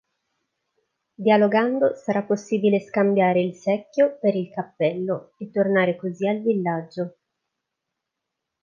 Dialogando sarà possibile scambiare il secchio per il cappello e tornare così al villaggio.